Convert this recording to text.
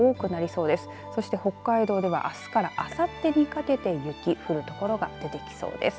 そして北海道ではあすからあさってにかけて雪降る所が出てきそうです。